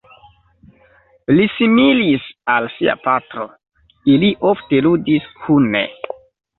Li similis al sia patro, ili ofte ludis kune.